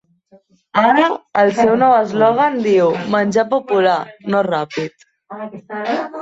Ara, el seu nou eslògan diu: "Menjar popular, no ràpid".